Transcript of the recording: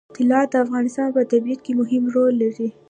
طلا د افغانستان په طبیعت کې مهم رول لري.